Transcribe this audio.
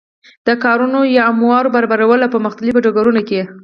د کارونو یا امورو برابرول او په مختلفو ډګرونو کی